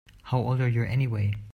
How old are you anyway?